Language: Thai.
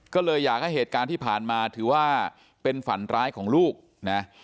ก็เลยอยากให้เหตุการณ์ที่ผ่านมาถือว่าเป็นฝันร้ายของลูกนะ